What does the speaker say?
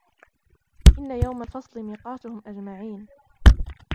إِنَّ يَوْمَ الْفَصْلِ مِيقَاتُهُمْ أَجْمَعِينَ